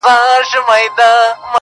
یو په یو به نیسي ګرېوانونه د قاتل قصاب-